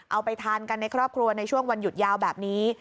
เอาไปทานกันในครอบครัวในช่วงวันหยุดยาวแบบนี้